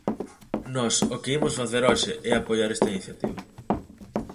Nós o que imos facer hoxe é apoiar esta iniciativa.